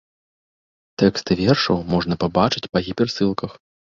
Тэксты вершаў можна пабачыць па гіперспасылках.